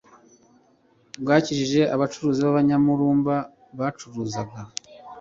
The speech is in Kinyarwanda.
bwakijije abacuruzi b'abanyamururumba babacuruzaga,